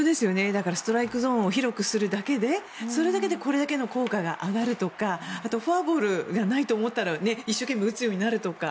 だからストライクゾーンを広くするだけでそれだけでこれだけの効果が上がるとかフォアボールがなくなったら一生懸命打つようになるとか。